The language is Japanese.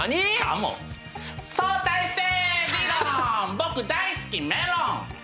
僕大好きメロン。